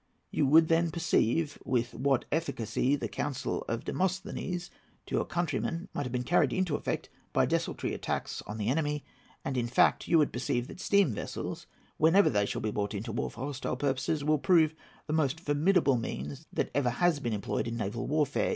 You would then perceive with what efficacy the counsel of Demosthenes to your countrymen might be carried into effect by desultory attacks on the enemy; and, in fact, you would perceive that steam vessels, whenever they shall be brought into war for hostile purposes, will prove the most formidable means that ever has been employed in naval warfare.